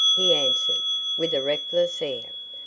he answered, with a reckless air.